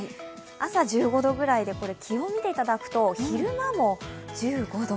朝１５度ぐらいで、気温を見ていただくと、昼間も１５度。